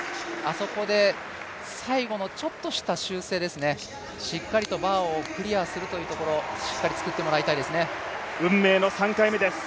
あそこで最後のちょっとした修正ですね、しっかりとバーをクリアするところをしっかりと作ってもらいたいです。